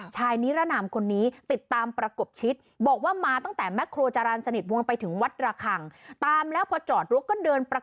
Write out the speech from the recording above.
ชายนิรนามคนนี้